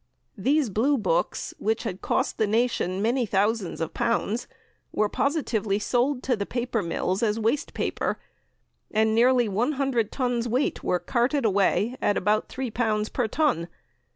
These blue books, which had cost the nation many thousands of pounds, were positively sold to the paper mills as wastepaper, and nearly 100 tons weight were carted away at about L3 per ton.